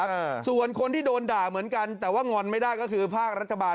อ่าส่วนคนที่โดนด่าเหมือนกันแต่ว่างอนไม่ได้ก็คือภาครัฐบาล